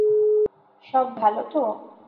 সব ভালো তো?